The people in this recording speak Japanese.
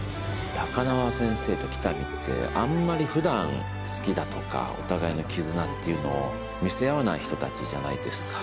高輪先生と喜多見ってあんまり普段好きだとかお互いの絆っていうのを見せ合わない人達じゃないですか